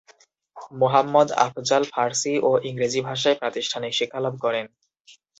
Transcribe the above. মুহাম্মদ আফজাল ফারসি ও ইংরেজি ভাষায় প্রাতিষ্ঠানিক শিক্ষালাভ করেন।